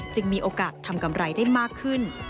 มีโอกาสทำกำไรได้มากขึ้น